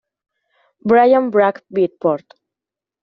Bryan Brack Beatport.